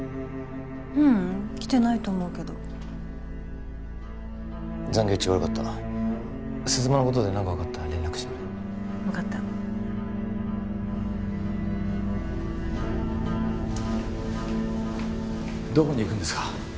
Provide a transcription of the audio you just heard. ううん来てないと思うけど残業中悪かった鈴間のことで何か分かったら連絡してくれ分かったどこに行くんですか？